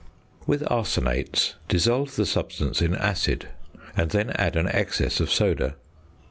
With arsenates, dissolve the substance in acid and then add an excess of soda.